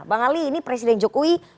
bang ali ini presiden jokowi